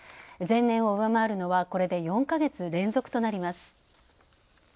前年を上回るのはこれで４か月連続となります。